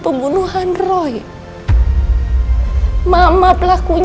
kapun itu yang paling penting